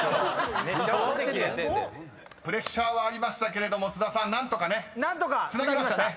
［プレッシャーはありましたけれども津田さん何とかつなぎました］